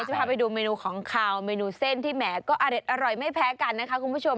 จะพาไปดูเมนูของขาวเมนูเส้นที่แหมก็อเด็ดอร่อยไม่แพ้กันนะคะคุณผู้ชม